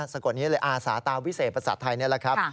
สะกดนี้เลยอาสาตามวิเศษภาษาไทยนี่แหละครับ